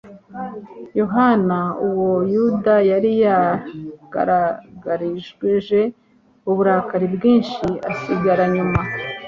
Yohana uwo Yuda yari yagaragarije uburakari bwinshi asigara nyuma